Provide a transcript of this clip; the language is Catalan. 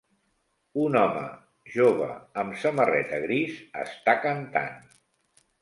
Un home jove amb samarreta gris està cantant.